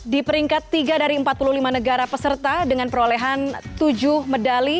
di peringkat tiga dari empat puluh lima negara peserta dengan perolehan tujuh medali